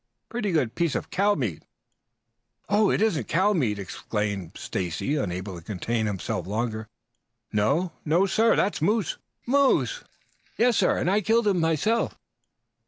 "Pretty good piece of cow meat " "It isn't cow meat," exclaimed Stacy, unable to contain himself longer. "No?" "No, sir. That's moose." "Moose?" "Yes, sir, and I killed him myself."